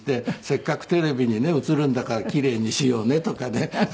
せっかくテレビにね映るんだから奇麗にしようねとかね。